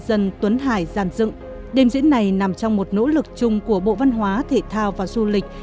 dân tuấn hải giàn dựng đềm diễn này nằm trong một nỗ lực chung của bộ văn hóa thể thao và du lịch